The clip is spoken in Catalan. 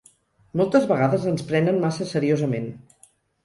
Moltes vegades ens prenen massa seriosament.